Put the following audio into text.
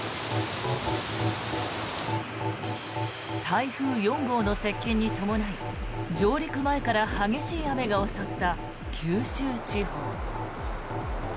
台風４号の接近に伴い上陸前から激しい雨が襲った九州地方。